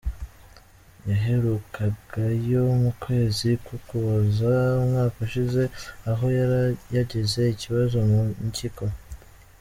Yaherukagayo mu kwezi kw’ukuboza umwaka ushize, aho yari yagize ikibazo mu mpyiko.